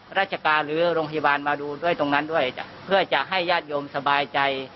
เพื่อจะให้ญาติโยมสบายใจ